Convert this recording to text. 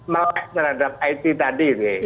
melihat terhadap it tadi